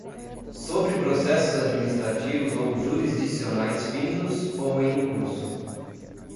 sobre processos administrativos ou jurisdicionais findos ou em curso;